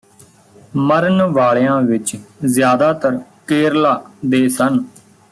ਮਰਨ ਵਾਲਿਆਂ ਵਿਚ ਜ਼ਿਆਦਾਤਰ ਕੇਰਲਾ ਦੇ ਸਨ